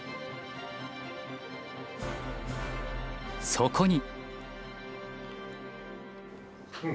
そこに。